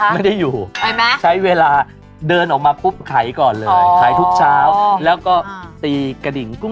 เดี๋ยวถามคนอาจารย์ได้อยู่